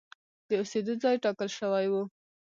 د اوسېدو ځای ټاکل شوی و.